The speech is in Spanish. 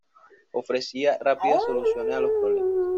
Ofrecía rápidas soluciones a los problemas.